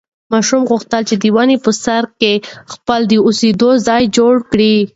ماشوم غوښتل چې د ونې په سر کې خپله د اوسېدو ځای جوړ کړي.